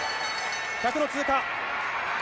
１００の通過。